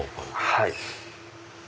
はい。